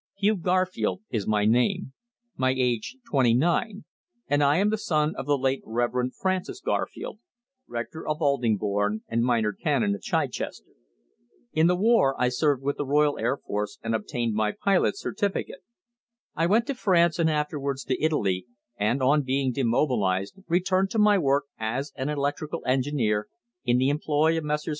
Hugh Garfield is my name; my age twenty nine, and I am the son of the late Reverend Francis Garfield, rector of Aldingbourne and minor canon of Chichester. In the war I served with the Royal Air Force and obtained my pilot's certificate. I went to France and afterwards to Italy, and on being demobilized returned to my work as an electrical engineer in the employ of Messrs.